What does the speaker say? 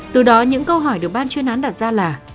từ đó những câu hỏi được ban chuyên án đặt ra là